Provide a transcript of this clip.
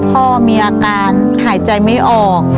พ่อมีอาการหายใจไม่ออก